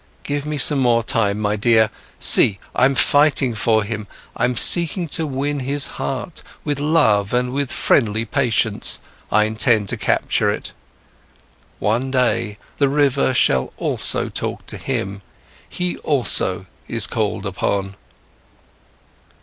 "Give me some more time, my dear! See, I'm fighting for him, I'm seeking to win his heart, with love and with friendly patience I intend to capture it. One day, the river shall also talk to him, he also is called upon."